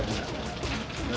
lepas dari begini